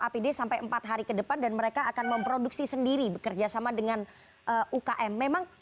apd sampai empat hari ke depan dan mereka akan memproduksi sendiri bekerja sama dengan ukm memang